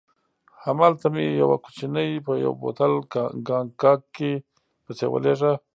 هملته مې یو کوچنی په یو بوتل کاګناک پسې ولېږه.